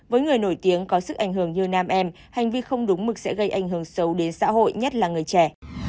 với người nổi tiếng có sức ảnh hưởng như nam em hành vi không đúng mực sẽ gây ảnh hưởng sâu đến xã hội nhất là người trẻ